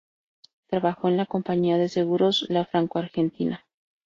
Trabajó en la compañía de seguros La Franco Argentina.